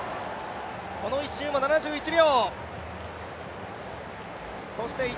この１周も７１秒。